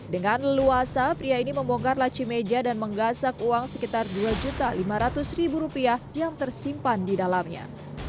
dengan leluasa pria ini membongkar laci meja dan menggasak uang sekitar dua lima ratus rupiah yang tersimpan di dalamnya